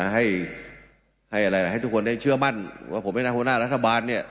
ให้ทุกคนได้เชื่อมั่นว่าผมเป็นนักหัวหน้ารัฐบาลเนี่ย